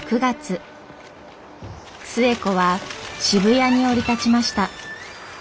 寿恵子は渋谷に降り立ちました。